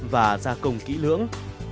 và gia công kỹ lưỡng